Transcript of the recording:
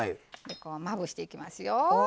まぶしていきますよ。